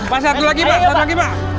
pak satu lagi pak